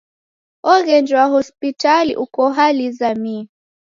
Oghenjwa hospitali uko hali izamie.